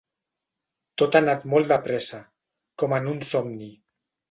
Tot ha anat molt de pressa, com en un somni.